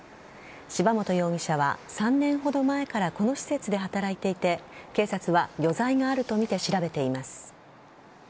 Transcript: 柴本容疑者は３年ほど前からこの施設で働いていて警察は余罪があるとみて調べています。